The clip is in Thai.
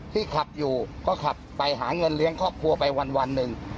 ขับอยู่ก็ขับไปหาเงินเลี้ยงครอบครัวไปวันหนึ่ง